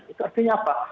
itu artinya apa